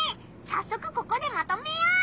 さっそくここでまとめよう！